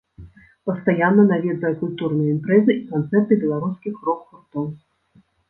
Пастаянна наведвае культурныя імпрэзы і канцэрты беларускіх рок-гуртоў.